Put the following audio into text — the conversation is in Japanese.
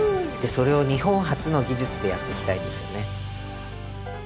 それを日本発の技術でやっていきたいですよね。